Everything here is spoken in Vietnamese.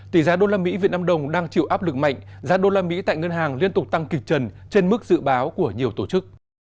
tỷ giá đô la mỹ việt nam đồng đang chịu áp lực mạnh giá đô la mỹ tại ngân hàng liên tục tăng kịch trần trên mức dự báo của nhiều tổ chức